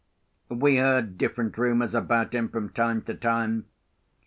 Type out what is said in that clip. We heard different rumours about him from time to time.